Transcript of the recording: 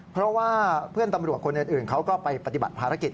เพราะว่าเพื่อนตำรวจคนอื่นเขาก็ไปปฏิบัติภารกิจ